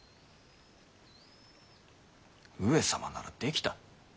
上様ならできた。